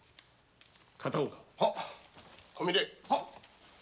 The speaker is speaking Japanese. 片岡小峰。